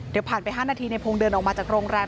เดี๋ยวผ่านไป๕นาทีในพงศ์เดินออกมาจากโรงแรม